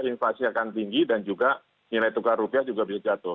inflasi akan tinggi dan juga nilai tukar rupiah juga bisa jatuh